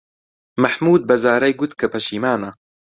مەحموود بە زارای گوت کە پەشیمانە.